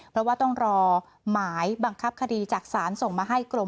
เพราะว่าต้องรอหมายบังคับคดีจากศาลส่งมาให้กรม